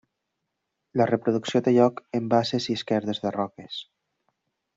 La reproducció té lloc en basses i esquerdes de roques.